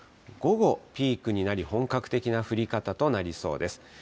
午後ピークになり、本格的な降り方となりそうです。